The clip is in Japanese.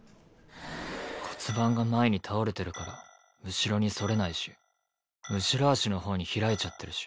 骨盤が前に倒れてるから後ろに反れないし後ろ足の方に開いちゃってるし。